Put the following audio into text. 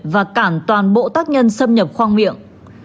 và cản toàn bộ tác nhân xâm nhập khoang miệng